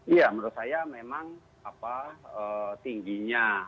iya menurut saya memang tingginya